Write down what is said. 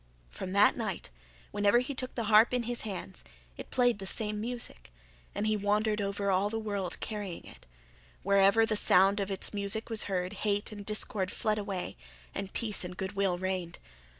From that night, whenever he took the harp in his hands, it played the same music; and he wandered all over the world carrying it; wherever the sound of its music was heard hate and discord fled away and peace and good will reigned.